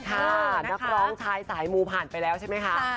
นักร้องชายสายมูผ่านไปแล้วใช่ไหมคะ